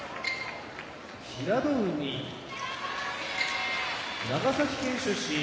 平戸海長崎県出身